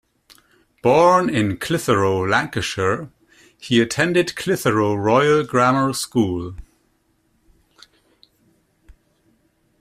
Born in Clitheroe, Lancashire, he attended Clitheroe Royal Grammar School.